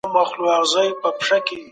يوازې ټولنپوهنه حقايق روښانه کولای سي.